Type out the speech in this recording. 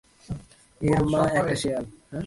এর মা একটা শেয়াল!